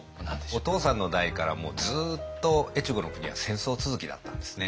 お父さんの代からもうずっと越後の国は戦争続きだったんですね。